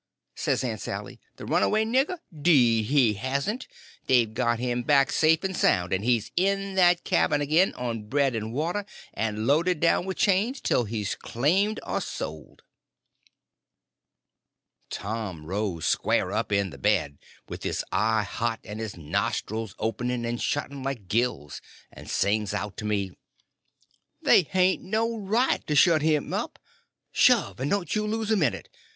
_" says Aunt Sally; "the runaway nigger? 'Deed he hasn't. They've got him back, safe and sound, and he's in that cabin again, on bread and water, and loaded down with chains, till he's claimed or sold!" Tom rose square up in bed, with his eye hot, and his nostrils opening and shutting like gills, and sings out to me: "They hain't no right to shut him up! Shove!—and don't you lose a minute.